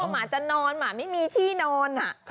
หมาจะนอนหมาไม่มีที่นอน